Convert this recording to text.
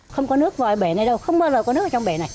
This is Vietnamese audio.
không có nước vào bể này đâu không bao giờ có nước vào trong bể này